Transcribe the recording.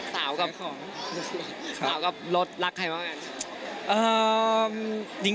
สาวกับรถรักใครมากกัน